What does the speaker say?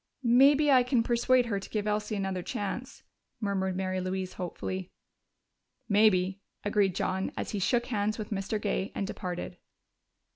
"Maybe I can persuade her to give Elsie another chance," murmured Mary Louise hopefully. "Maybe," agreed John as he shook hands with Mr. Gay and departed.